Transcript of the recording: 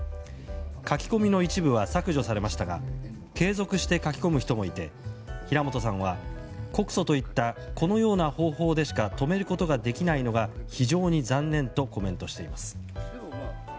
書き込みの一部は削除されましたが継続して書き込む人もいて平本さんは告訴といったこのような方法でしか止めることができないのが非常に残念とコメントしています。